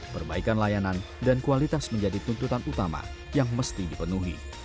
perbaikan layanan dan kualitas menjadi tuntutan utama yang mesti dipenuhi